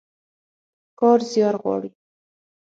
کار زيار غواړي.